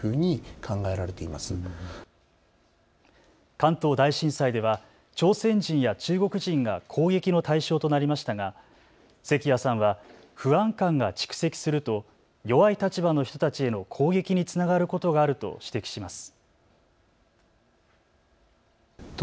関東大震災では朝鮮人や中国人が攻撃の対象となりましたが関谷さんは不安感が蓄積すると弱い立場の人たちへの攻撃につながることがあると指摘します。